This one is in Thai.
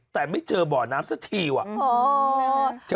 แต่ไม่เจอบ่อน้ำสักทีว่ะ